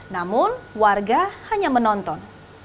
namun warga hanya menonton